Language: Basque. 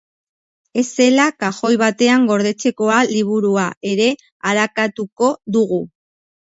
Ez zela kajoi batean gordetzekoa liburua ere arakatuko dugu.